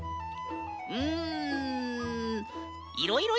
うん。